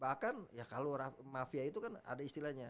bahkan ya kalau mafia itu kan ada istilahnya